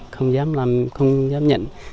không dám làm không dám nhận